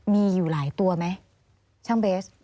มีอยู่หลายตัวไหมช่างเบส